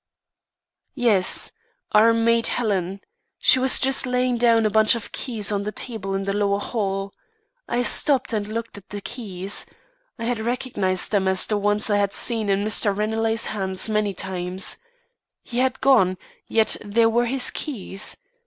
"Yes, our maid Helen. She was just laying down a bunch of keys on the table in the lower hall. I stopped and looked at the keys. I had recognised them as the ones I had seen in Mr. Ranelagh's hands many times. He had gone, yet there were his keys.